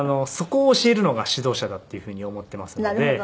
そこを教えるのが指導者だっていうふうに思ってますので。